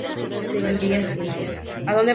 Seguiría Ciencias.